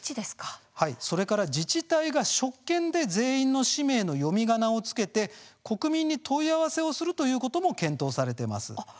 それから自治体が職権で全員の氏名の読みがなを付けて国民に問い合わせをするということも検討されています。